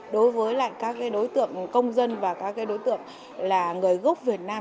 đối với các đối tượng công dân và các đối tượng là người gốc việt nam